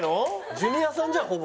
ジュニアさんじゃんほぼ。